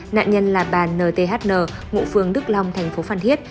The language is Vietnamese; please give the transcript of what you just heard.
nạn nhân là bà nthn ngụ phường đức long thành phố phan thiết